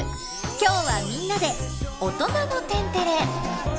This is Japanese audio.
今日はみんなで「オトナの天てれ」。